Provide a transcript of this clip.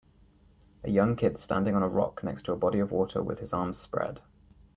A young kid standing on a rock next to a body of water with his arms spread.